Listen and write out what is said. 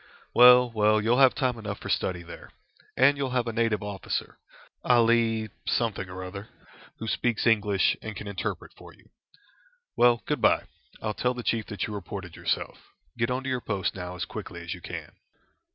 "Well, well, you'll have time enough for study there. And you'll have a native officer, Ali something or other, who speaks English, and can interpret for you. Well, good bye I'll tell the chief that you reported yourself. Get on to your post now as quickly as you can."